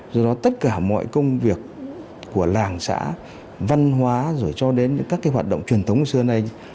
do đó tất cả mọi công việc của làng xã văn hóa rồi cho đến những các cái hoạt động truyền thống của xưa nay